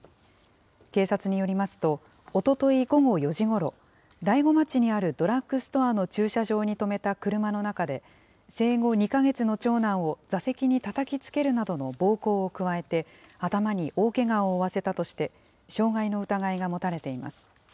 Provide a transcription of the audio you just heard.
警察によりますと、おととい午後４時ごろ、大子町にあるドラッグストアの駐車場に止めた車の中で、生後２か月の長男を座席にたたきつけるなどの暴行を加えて、頭に大けがを負わせたとして、傷害の疑いが持たれています。